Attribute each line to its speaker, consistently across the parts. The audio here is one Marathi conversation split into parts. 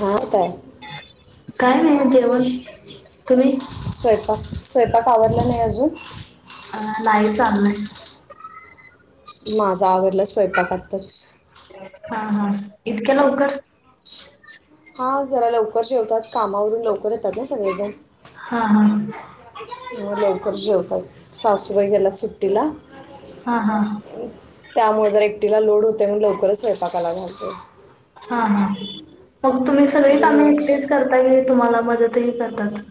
Speaker 1: हो, काय
Speaker 2: काय नाही जेवण तुम्ही?
Speaker 1: स्वयंपाक स्वयंपाक आवडला नाही अजून? ह [inaudible]
Speaker 2: हा नाय चाांललंय
Speaker 1: माझा आवरला स्वयंपाक आताच
Speaker 2: हा हा इतक्या लवकर!
Speaker 1: हा जरा लवकर जेवतात कामावरून लवकर येतात ना सगळेजण
Speaker 2: हा हा
Speaker 1: किंवा लवकर जेवतात, सासूबाई गेल्यात सुट्टीला
Speaker 2: हा हा हा
Speaker 1: त्यामुळे जर एकटीला लोड होते म लवकरच स्वयंपाकाला घालतो.
Speaker 2: हा हा मग, तुम्ही सगळी
Speaker 1: म्हणजे
Speaker 2: कामे
Speaker 1: मग
Speaker 2: एकटेच करता कि? तुम्हाला मदत ही करतात.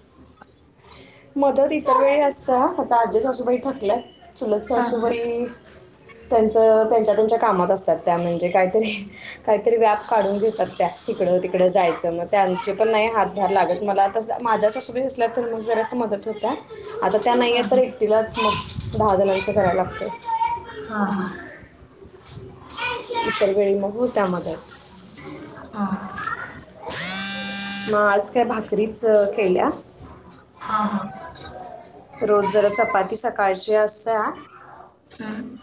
Speaker 1: मदत इतर वेळी असता आता आजेसासुबाई थकल्यात चुलत
Speaker 2: हा
Speaker 1: सासुबाई त्यांच, त्यांच्या, त्यांच्या कामात असतात त्या म्हणजे काहीतरी, काहीतरी व्याप काढून घेतात त्या तिकडं तिकडं जायचं त्यांचे पण नाही हातभार लागत मला तर माझ्या सासुबाई असल्या तर मग जरा सी मदत होत आता त्या
Speaker 2: हा
Speaker 1: नाहीे तर
Speaker 2: हा
Speaker 1: एकटीलाच मग दहा जणांचं करायला लागतय.
Speaker 2: हा
Speaker 1: इतर वेळी मग होत्या मदत
Speaker 2: हा
Speaker 1: मग आज काय भाकरीच केल्या
Speaker 2: हा हा
Speaker 1: रोज जरा चपाती सकाळची असतेया
Speaker 2: हम्म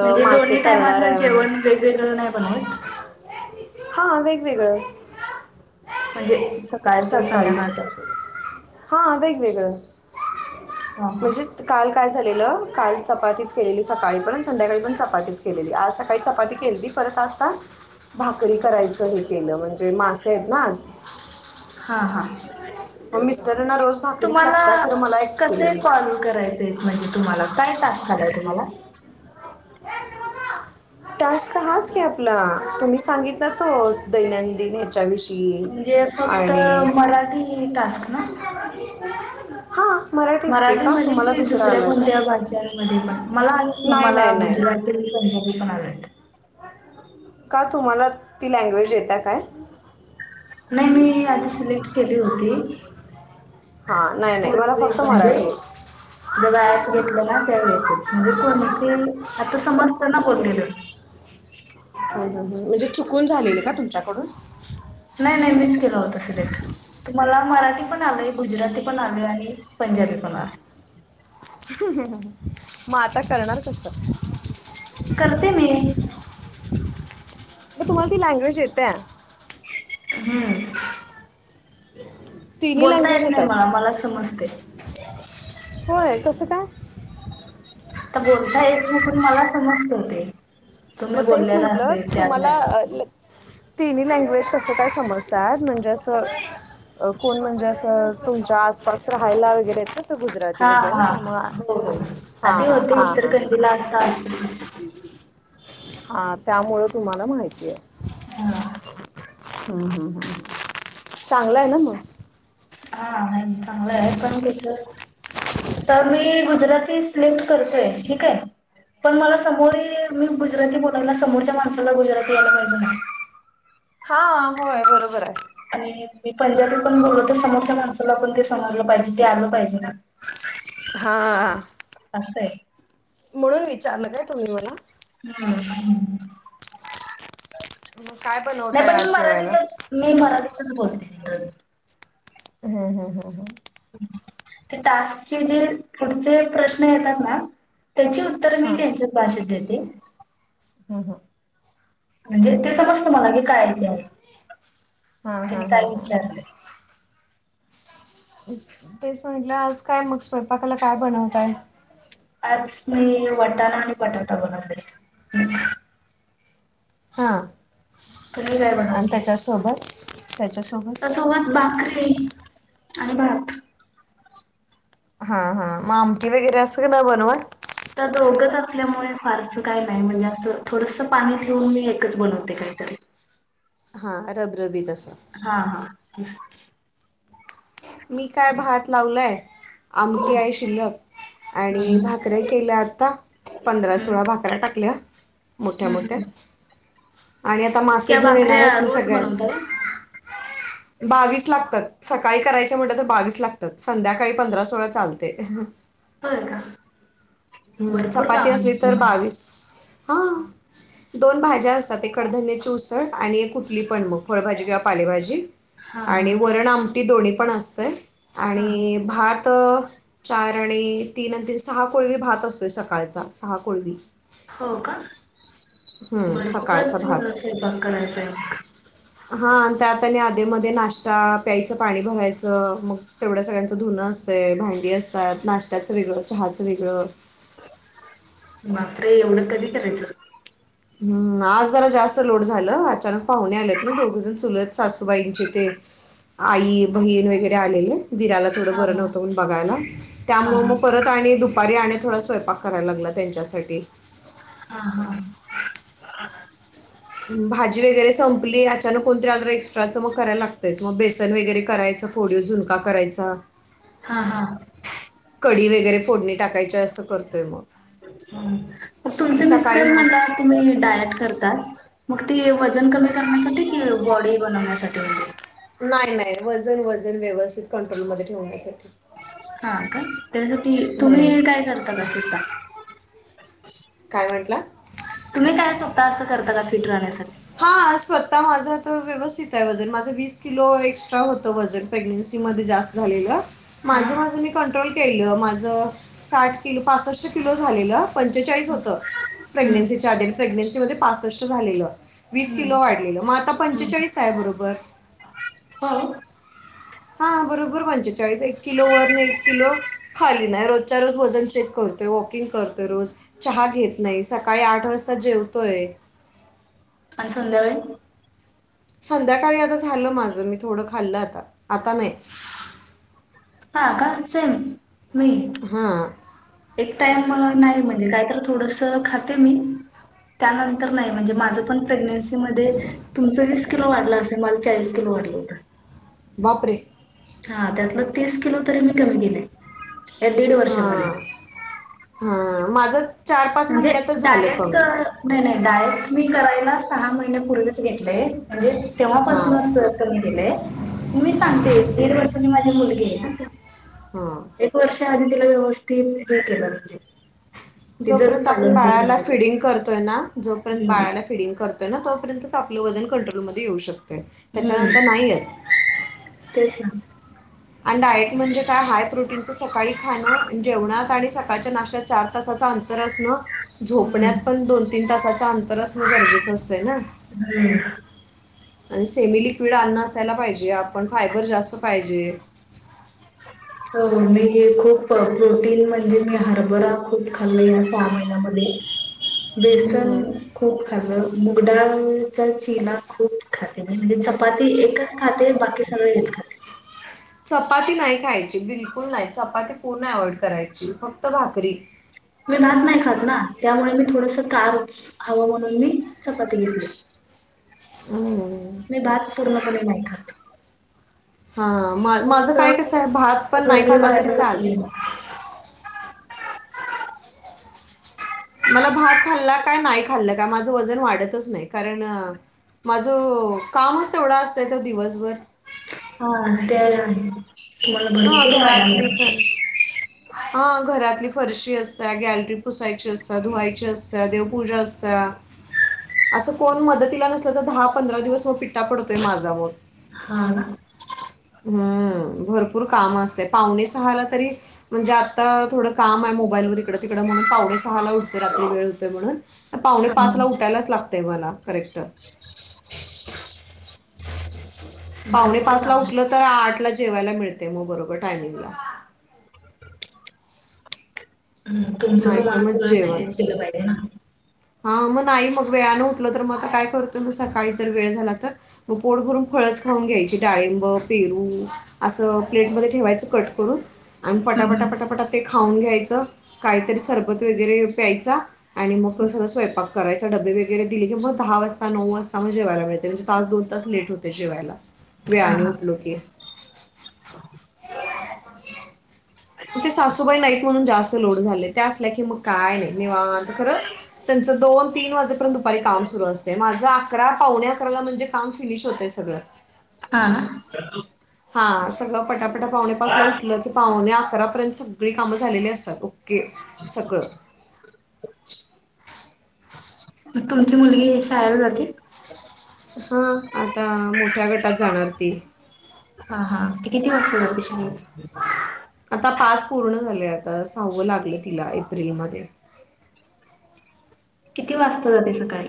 Speaker 2: म्हणजे दोन्ही
Speaker 1: करणार
Speaker 2: टायमाचं
Speaker 1: आहे
Speaker 2: जेवण
Speaker 1: म्हणे
Speaker 2: वेगवेगळं नाही बनवत
Speaker 1: हा वेगवेगळं
Speaker 2: म्हणजे सकाळचं संध्याकाळच अस
Speaker 1: हा वेगवेगळं
Speaker 2: हा
Speaker 1: म्हणजे काल काय झालेलं काल चपातीच केलेली. सकाळी पण संध्याकाळी पण चपातीच केलेली. आज सकाळी चपाती केलती परत आता भाकरी करायचं हे केलं म्हणजे मासे आहेत ना आज
Speaker 2: हा हा
Speaker 1: मग मिस्टरांना रोज भाकरीच
Speaker 2: तुम्हाला
Speaker 1: लागत्या खरं मला एकटीला
Speaker 2: कसे
Speaker 1: नाही
Speaker 2: कॉल करायचे आहेत म्हणजे तुम्हाला काय टास्क आलाय तुम्हाला?
Speaker 1: टास्क हाच की आपला तुम्ही सांगितलं तो दैनंदिन ह्यच्याविषयी
Speaker 2: म्हणजे फक्त मराठी टास्क ना
Speaker 1: हा.
Speaker 2: मराठीमध्ये कि दुसऱ्या कोणत्या भाषांमध्ये पण मला आवत ना
Speaker 1: नाही
Speaker 2: मला
Speaker 1: नाही नाही
Speaker 2: गुजराती, पंजाबी पण आवडत.
Speaker 1: का तुम्हाला ती लँग्वेज येतिया काय?
Speaker 2: नाही मी आता सिलेक्ट केली होती
Speaker 1: हा नाही नाही मला
Speaker 2: पूर्वी
Speaker 1: फक्त
Speaker 2: म्हणजे
Speaker 1: मराठी
Speaker 2: जव्हा ऍप घेतलं ना त्या वेळेसच म्हणजे कोणी आता समजतना बोललेलं.
Speaker 1: हा हा ह म्हणजे चुकून झालेल का तुमच्याकडून [inaudible]
Speaker 2: नाही नाही मीच केला होता सिलेक्ट तुम्हाला मराठी पण आलय, गुजराती पण आलय, आहे पंजाबी पण आलय.
Speaker 1: मग आता करणार कस?
Speaker 2: करते मी
Speaker 1: मग तुम्हाला ती लँग्वेज येतिया.
Speaker 2: हम्म
Speaker 1: [inaudible] तिन्ही
Speaker 2: बोलता
Speaker 1: लँग्वेज
Speaker 2: येत नाही
Speaker 1: येतात
Speaker 2: मला मला समजतय.
Speaker 1: होय कसं काय?
Speaker 2: तर बोलता येत नाय पण मला समजत ते तुम्ही
Speaker 1: मग तेच
Speaker 2: बोललेला
Speaker 1: म्हटलं
Speaker 2: असेल त्या
Speaker 1: तुम्हाला
Speaker 2: लँग्वेज
Speaker 1: तिन्ही लँग्वेज कसं काय समजतात म्हणजे असं कोण म्हणजे असं तुमच्या आस पास राहायला वगैरे येतस गुजराती
Speaker 2: हा
Speaker 1: वगैरे त्यामु हा
Speaker 2: हो हो आधी
Speaker 1: हा
Speaker 2: होते
Speaker 1: हा हा
Speaker 2: इचलकरंजीला आता असतील.
Speaker 1: हा त्यामुळे तुम्हाला माहिती आहे.
Speaker 2: हा.
Speaker 1: हम्म हम् हम् चांगलं आहे ना मग
Speaker 2: हा नाही चांगलं आहे पण गुज तर मी गुजराती सिलेक्ट करतोय ठीक आहे पण मला समोर मी ही गुजराती बोलायला समोरच्या माणसाला गुजराती यायला पाहिजं ना.
Speaker 1: हा होय बरोबर आहे.
Speaker 2: आणि मी पंजाबीत पण बोललो तर समोरच्या माणसाला पण ते समजलं पाहिजे ते आलं पाहिजे ना
Speaker 1: हाआ.
Speaker 2: असं आहे
Speaker 1: म्हणून विच चारलं काय तुम्ही मला?
Speaker 2: हम.
Speaker 1: काय
Speaker 2: नाही
Speaker 1: बनवताय
Speaker 2: तर मी
Speaker 1: आज जेवायला
Speaker 2: मराठीत, मी मराठीतच बोलते. [inaudible]
Speaker 1: हम् हम् हम् हम.
Speaker 2: ते टास्कचे जे पुढचे प्रश्न येतात ना त्याची उत्तर मी त्यांच्याच भाषेत देते. ते
Speaker 1: हू हू
Speaker 2: म्हणजे ते समजत मला की काय
Speaker 1: हा
Speaker 2: तेनी
Speaker 1: हा हा
Speaker 2: काल
Speaker 1: हा
Speaker 2: विचारलं.
Speaker 1: तेच म्हटलं आज काय मग स्वयंपाकाला काय बनवताय?
Speaker 2: आज मी वटाणा आणि बटाटा बनवते.
Speaker 1: हा. आणि त्याच्यासोबत त्याच्यासोबत
Speaker 2: त्याच्या सोबत भाकरी. आणि भात.
Speaker 1: हा, हा, म आमटी वगैरे असं नाई बनवत?
Speaker 2: त्यामुळे फारस काय नाही, म्हणजे असं थोडसं पाणी ठेवून मी एकच बनवते काहीतरी.
Speaker 1: हा रब रबीत असा.
Speaker 2: हा [inaudible]
Speaker 1: मी काय भात लावलाय आमटी आहे शिल्लक, आणि
Speaker 2: हम्म
Speaker 1: भाकऱ्या केल्या आता पंधरा,
Speaker 2: हम्म
Speaker 1: सोळा भाकऱ्या टाकल्या. मोठ्या
Speaker 2: हम्म
Speaker 1: मोठ्या.
Speaker 2: हम्म.
Speaker 1: आणि आता मासे
Speaker 2: इतक्या
Speaker 1: घेऊन येणार
Speaker 2: भाकऱ्या
Speaker 1: आहेत मग
Speaker 2: रोज
Speaker 1: सगळ्याच,
Speaker 2: बनवता का
Speaker 1: बावीस लागतात. सकाळी करायचं म्हंटल तर बावीस लागतात, संध्याकाळी पंधरा सोळा चालतयं.
Speaker 2: होय का?
Speaker 1: हम्म,
Speaker 2: भरपूर
Speaker 1: चपाती
Speaker 2: काम
Speaker 1: असली
Speaker 2: आहे
Speaker 1: तर
Speaker 2: तुम्हाला
Speaker 1: बावीस. हा, दोन भाज्या असतात, ए कडधन्याचे उसळ, आणि एक कुठली पण मग फळाभाजी घ्या पालेभाजी
Speaker 2: हा हा
Speaker 1: आणि वरण आम ती दोन्ही पण असतं
Speaker 2: हा
Speaker 1: आणि भात चार आणि तीन आणि त सहा कोळवी भात असतोय सकाळचा सहा पूर्वी
Speaker 2: हो का
Speaker 1: हम्म,
Speaker 2: बरोबर
Speaker 1: सकाळचा
Speaker 2: झाला
Speaker 1: भात
Speaker 2: स्वपाग करायचा आहे मग
Speaker 1: हा त्या आता ध्ये मध्ये नाश्ता प्यायचं पाणी भरायचं मग तेवढ्या सगळ्यांचं धुनं असते भांडी असतात नाश्त्याचं वेगळं चहाचं वेगळं
Speaker 2: बापरे एवढं कधी करायचं
Speaker 1: हम्म आज जरा जास्त लोड झाल अचानक पाहुणे आलेत ना दोघजण चुलत सासूबाईंचे ते आई बहीण वगैरे आलेले दिराला थोडं
Speaker 2: हा
Speaker 1: बरं नव्हतंण बघायला
Speaker 2: हा
Speaker 1: त्यामुळे
Speaker 2: हा
Speaker 1: मग परत आणि दुपारी थोडा स्वयंपाक करायला लागला त्यांच्यासाठी
Speaker 2: हा हा
Speaker 1: भाजी वगैरे संपली अचानक कोणतरी आजार एक्स्ट्राचं मग करायला लागतयच मग बेसन वगैरे करायचं फोड झुणका करायचा
Speaker 2: हा हा
Speaker 1: कडी वगरे फोड
Speaker 2: मग तुमचे
Speaker 1: सकाळी
Speaker 2: मिस्टर म्हण
Speaker 1: मग
Speaker 2: तुम्ही डायट करत मग ती वजन कमी करण्यासाठी कि बॉडी बनवण्यासाठी होते
Speaker 1: नाही नाही वजन वजन व्यवस्थित कंट्रोलमध्येध्ये ठेवण्यासाठी
Speaker 2: हा का त्यासाठी तुम्ही
Speaker 1: हम्म.
Speaker 2: काय करता बसता
Speaker 1: काय म्हटला
Speaker 2: तुम्ही काय सधता असं करता का फिट रा आहे सर
Speaker 1: हा असवत आता माझं तर व्यवस्थित आहे वजन माझं वीस किलो एक्स्ट्रा होतं वजन प्रेग्नेन्सीमध्ये जास्त झालेलं
Speaker 2: हा
Speaker 1: माझं माजू मी कंट्रोल केलं माझ साठ किलो पासष्ट किलो झालेलं पंचेचाळीस होत
Speaker 2: हम्म
Speaker 1: प्रेग्नंसीच्या आधी प्रेग्नं प्रेग्नसी मध्ये पासष्ट झालेलं. वीस किलो
Speaker 2: हम्म
Speaker 1: वाढलेल मग आता
Speaker 2: हम्म
Speaker 1: पंचेचाळीस हाय बरोबर.
Speaker 2: हो
Speaker 1: हा बरोबर पंचेचाळीस एक किलो वर नाही एक किलो खाली नाही. रोजच्या रोज वजन चेक करतोय. वॉकिंग करतोय. रोज चहा घेत नाही. सकाळी आठ वाजता जेवतोय.
Speaker 2: आणि संध्याकाळी?
Speaker 1: संध्याकाळी आता झालं माझं मी थोडं खाल्लं आता. आता नाही.
Speaker 2: ह का सेम मी
Speaker 1: हा.
Speaker 2: एक टाइम नाही म्हणजे काहीत थोडस खाते मी त्यानंतर नाही म्हणजे माझ पण प्रेग्नसी - - मध्ये तुमचही - - किलो वाढला असेल माझं चाळीस किलो वाढलं होतं.
Speaker 1: बापरे!
Speaker 2: हा, त्यातलं तीस किलो तरी मी कमी केलंय. या दीड वर्षामध्ये.
Speaker 1: हां हां माझं चार पाच
Speaker 2: म्हणजे
Speaker 1: महिन्यातच झालं
Speaker 2: डाएटअ
Speaker 1: कमी
Speaker 2: नाही नाही डाएट- - मी करायला सहा महिन्यापूर्वीच घेतलय म्हणजे
Speaker 1: हां
Speaker 2: तेव्हापासूनच कमी केलंय. मी
Speaker 1: हां
Speaker 2: सांगते दीड वर्षाची माझी मुल फ्री ना त्या
Speaker 1: हां
Speaker 2: एक वर्ष आधी तेला व्यवस्थित हे केलं म्हणजे. तिचंच
Speaker 1: जोपर्यंत आपण
Speaker 2: पालन पोषण
Speaker 1: बाळाला
Speaker 2: केलं.
Speaker 1: फिडिंग करतोय ना जोपर्यंत
Speaker 2: हम्म
Speaker 1: बाळाला फिडिंग करत तय ना तोपर्यंतच आपलं वजन कंट्रोलमध्ये येऊ शक तय.
Speaker 2: हम्म
Speaker 1: त्याच्यानंतर नाही येत.
Speaker 2: तेच ना
Speaker 1: आणि डाएट म्हणजे काय हाय प्रोटीनच सकाळी खाणं जेवणात आणि सकाळच्या नाशत्यात चार तासाच अंतर असणं
Speaker 2: हम्म
Speaker 1: झोपण्यात पण दोन तीन तासाच अंत तर असणं गरजेचं असतंय ना.
Speaker 2: हम्म
Speaker 1: आन सेमी लिक्विड अन्न असायला पाहिजे. आपण फायबर जास्त पाहिजे.
Speaker 2: हो मी हे खूप प्रोटीन म्हणजे मी हरभरा खूप खाल्ला या सहा महिन्यामध्ये. बेसन
Speaker 1: हम्म.
Speaker 2: खूप खाल्ल. मुगडाळचा चिना खूप खाते म्हणजे चपाती एकच खाते बाकी सगळं हेच खाते.
Speaker 1: चपाती नाही खायची बिलकुल नाही चपाती पूर्ण अव्हॉइड करायची फक्त भाकरी.
Speaker 2: मी भात नाही खात ना त्यामुळे मी थोडस कार्ब हवं म्हणून मी चपात घेतली.
Speaker 1: हं.
Speaker 2: मी भात पूर्ण पणे नही खात.
Speaker 1: हा मा माझं
Speaker 2: फक्त
Speaker 1: काय कसं आहे भात पण नाही खाल्ला
Speaker 2: रविवार
Speaker 1: तरी चाल मला भात खाल्ला काय नाही खाल्ल का माझं वजन वाढतच नाही कारण माझं कामच तेवढं असतंय त दिवसभर.
Speaker 2: हा ते आहे. मला
Speaker 1: हां
Speaker 2: भरपूर व्यायाम येत
Speaker 1: हा घरातली फरशी असते, गॅलरी पुसायची असते, धुवायची असते, देवपूजा असते. असं कोण मदतीला नसलं तर दहा पंधरा दिवस व पिट्टा पडतोय माझा मग.
Speaker 2: हा ना
Speaker 1: हं. भरपूर काम असतेय पावणे सहाला तरी म्हणजे आता थोडं काम आहे मोबाईलवर इकड तिकड म्हणून पावणे सहाला उठते रात्री वेळ होत म्हणून पावणे
Speaker 2: हा
Speaker 1: पाच ला उठायलाच लागतय मला करेक्ट. पावणे
Speaker 2: भरपूर
Speaker 1: पाच ला
Speaker 2: काम आहे.
Speaker 1: उठलं तर आठ ला जेवायला मिळते म बरोबर टायमिंगला.
Speaker 2: हम्म तुमचं
Speaker 1: नाही तर
Speaker 2: तुम्हाला
Speaker 1: मग
Speaker 2: सगळं मॅनेज केलं पाहिजे ना.
Speaker 1: हा मग नाही मग वेळाानं उतलं तर मग आता काय करतो ना सकाळी जर वेळ झाला तर मग पोट भरून फळच खाऊन घ्यायची डाळिंब पेरू असं प्लेटमध्येध्ये ठेवायचं कट करून. आणि
Speaker 2: हम्म
Speaker 1: पटाफटा
Speaker 2: हम्म
Speaker 1: पटाफटा ते. खाऊन घ्यायचं. काहीतरी सरबत वगैरे प्यायचा आणि मग सगळं स्वयंपाक करायचा डबे वगैरे दिले की मग दहा वाजता नऊ वाजता मग जेवायला मिळते म्हणजे तास दोन तास लेट होते जेवायला.
Speaker 2: हा
Speaker 1: वेळाने
Speaker 2: हा
Speaker 1: उठलो की [inaudible] ते सासूबाई नाईक म्हणून जास्त लोड झाले ते असल्या की मग काय नाही निवांत खरं त्यांचं दोन तीन वाजेपर्यंत दुपारी काम सुरू असतय माझं अकरा पावणे अकराला म्हणजे काम फिनिश होतय सगळ.
Speaker 2: हा.
Speaker 1: हा सगळं पटापटा पावणे पाचे ला उठलं की पावणे अकरापर्यंत सगळी कामं झालेली असतात ओके सगळं.
Speaker 2: ग तुमची मुलगी शाळेला जाती.
Speaker 1: हा आता मोठ्या गटात जाणार ती
Speaker 2: हा हा ते किती वाजता जाती शाळेत.
Speaker 1: आता पाच पूर्ण झाले आता सहावं लागलं तिला एप्रिलमध्ये
Speaker 2: किती वाजता जाते सकाळी.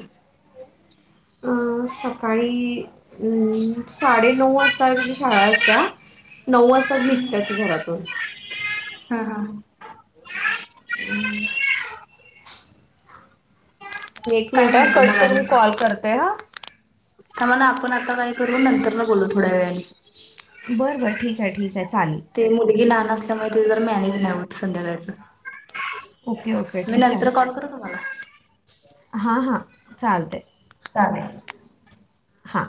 Speaker 1: अं सकाळी अं साडेनऊ वाजता तिची शाळा असत नऊ वाजताच निघत ती घरातून.
Speaker 2: हा हा
Speaker 1: [unintelligible] एक
Speaker 2: काय
Speaker 1: मिनिटा
Speaker 2: म्हणता
Speaker 1: कट
Speaker 2: मग आणि?
Speaker 1: करून कॉल करत [unintelligible]
Speaker 2: तर मणा आपण आता काय करू नंतर न बोलू थोड्या वेळाने
Speaker 1: बरं [inaudible]
Speaker 2: ते मुलगीला आणा. मॅनेज नाही होत संध्याकाळच.
Speaker 1: ओके
Speaker 2: मी नंतर कॉल करू तुम्हाला?
Speaker 1: हा हा. चालतय.
Speaker 2: चालेल.
Speaker 1: हा.